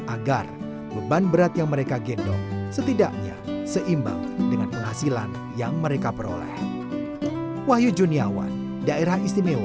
agar beban berat yang mereka gendong setidaknya seimbang dengan penghasilan yang mereka peroleh